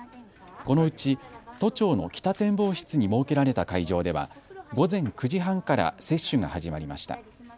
このうち都庁の北展望室に設けられた会場では午前９時半から接種が始まりました。